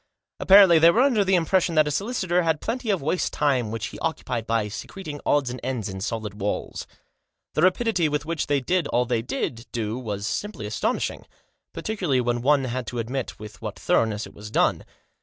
Apparently they were under the impression that a solicitor had plenty of waste time which he occupied by secreting odds and ends in solid walls. The rapidity with which they did all they did do was simply astonishing, particularly when one had to admit with what thoroughness it was done.